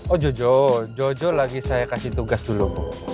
oh jojo jojo lagi saya kasih tugas dulu